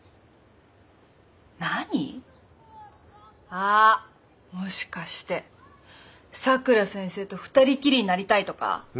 あっもしかしてさくら先生と二人っきりになりたいとか？